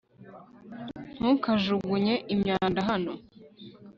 ntukajugunye imyanda hano